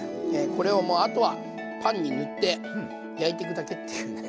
これをもうあとはパンに塗って焼いてくだけっていうね。